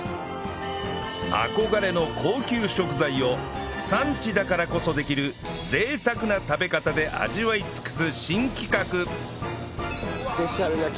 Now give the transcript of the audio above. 憧れの高級食材を産地だからこそできる贅沢な食べ方で味わい尽くす新企画